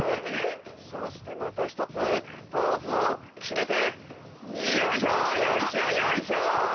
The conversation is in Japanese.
そしてまたひとつポーズを決めてよいしょよいしょよいしょ！